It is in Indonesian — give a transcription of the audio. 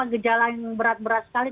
gejala yang berat berat sekali